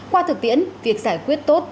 qua thực tiễn việc giải quyết tốt